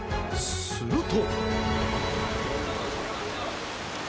すると。